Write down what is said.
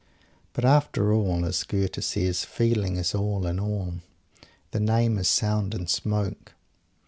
But after all as Goethe says "feeling is all in all; the name is sound and smoke."